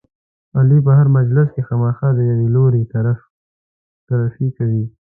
علي په هره مجلس کې خامخا د یوه لوري طرف کوي.